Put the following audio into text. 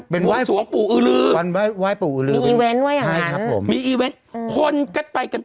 คงส่วนปู่อืลือวันว่ายปู่อืลือมีว่ายอย่างนั้นใช่ครับผม